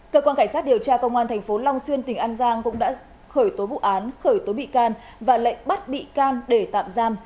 cơ quan cảnh sát điều tra công an tp long xuyên tỉnh an giang cũng đã khởi tố vụ án khởi tố bị can và lệnh bắt bị can để tạm giam